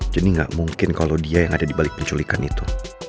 jadi gak mungkin kalau dia yang ada dibalik penculikan itu